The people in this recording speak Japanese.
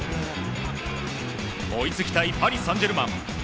追いつきたいパリ・サンジェルマン。